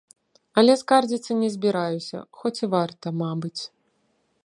Але скардзіцца не збіраюся, хоць і варта, мабыць.